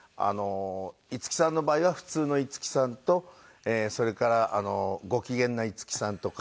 五木さんの場合は普通の五木さんとそれからご機嫌な五木さんとか。